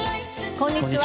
こんにちは。